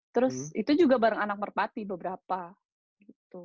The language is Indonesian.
terus itu juga bareng anak merepati beberapa gitu